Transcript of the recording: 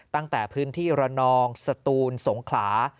ตั้งแต่พื้นที่ระนองสตูนสงขลา